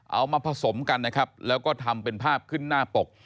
เอามาผสมกันนะครับแล้วก็ทำเป็นภาพขึ้นหน้าปก